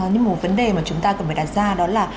nhưng một vấn đề mà chúng ta cần phải đặt ra đó là